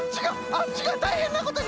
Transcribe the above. あっちがたいへんなことになってる！